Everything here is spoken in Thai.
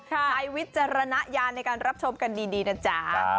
วิจารณญาณในการรับชมกันดีนะจ๊ะ